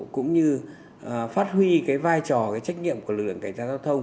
cũng như phát huy vai trò trách nhiệm của lực lượng cảnh giao thông